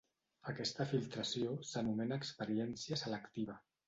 Aquesta filtració s'anomena experiència selectiva.